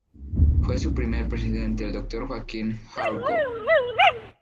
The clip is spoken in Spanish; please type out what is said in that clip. Fue su primer presidente el doctor Joaquín D’Harcourt.